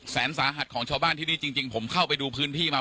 แสนสาหัสของชาวบ้านที่นี่จริงผมเข้าไปดูพื้นที่มา